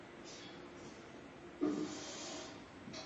刘文翔之子。